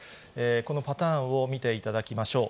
このパターンを見ていただきましょう。